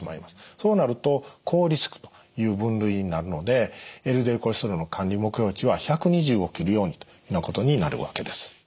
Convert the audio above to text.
そうなると高リスクという分類になるのでＬＤＬコレステロールの管理目標値は１２０を切るようにというようなことになるわけです。